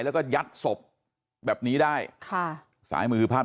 แล้วก็ยัดลงถังสีฟ้าขนาด๒๐๐ลิตร